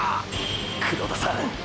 黒田さん！！